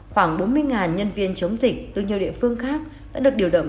khoảng bốn mươi nhân viên chống dịch từ nhiều địa phương khác đã được điều động